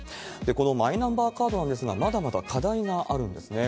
このマイナンバーカードなんですが、まだまだ課題があるんですね。